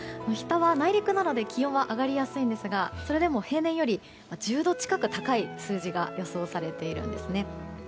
日田は内陸なので気温が上がりやすいんですがそれでも平年より１０度近く高い数字が予想されているんですね。